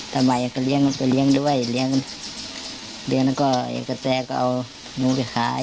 ต่อมาอย่างกับเลี้ยงก็เลี้ยงด้วยเลี้ยงเลี้ยงแล้วก็อย่างกับแจก็เอาหนูไปขาย